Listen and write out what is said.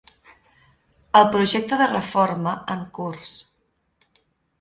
El projecte de reforma en curs.